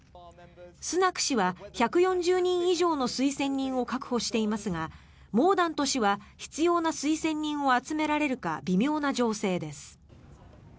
スナク氏は１４０人以上の推薦人を確保していますがモーダント氏は必要な推薦人を集められるか微妙な情勢です。